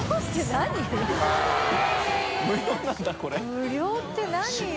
無料って何よ。